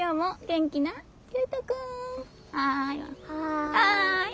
はい。